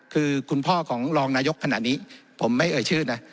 คือคุณพ่อของรองนายกขณะนี้ผมไม่เอ่ยชื่อนะ